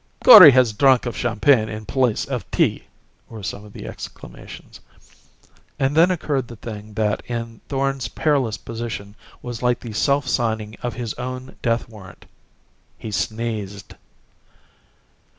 "Kori has drunk of champagne in place of tea!" were some of the exclamations. And then occurred the thing that, in Thorn's perilous position, was like the self signing of his own death warrant. He sneezed.